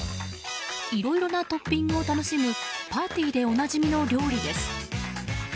いろいろなトッピングを楽しむパーティーでおなじみの料理です。